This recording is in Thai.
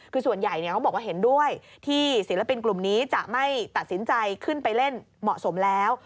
คือส่วนใหญ่เขาบอกว่าเห็นด้วยที่ศิลปินกลุ่มนี้จะไม่ตัดสินใจขึ้นไปเล่นเหมาะสมแล้ว